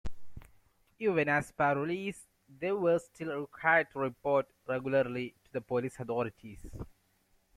Even as parolees, they were still required to report regularly to the police authorities.